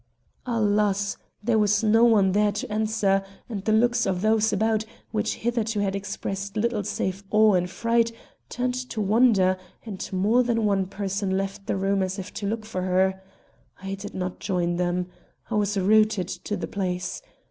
Alas! there was no one there to answer, and the looks of those about, which hitherto had expressed little save awe and fright, turned to wonder, and more than one person left the room as if to look for her. I did not join them. I was rooted to the place.